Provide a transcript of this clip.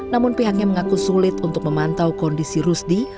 namun pihaknya mengaku sulit untuk memantau kondisi rusdi